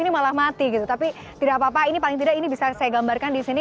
ini malah mati gitu tapi tidak apa apa ini paling tidak ini bisa saya gambarkan di sini